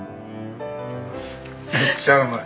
めっちゃうまい。